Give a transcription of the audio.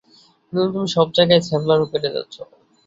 কিন্তু তুমি সবজায়গায় ছ্যাবলামি করে যাচ্ছো।